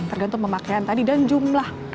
tergantung pemakaian tadi dan jumlah